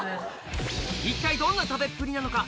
一体どんな食べっぷりなのか？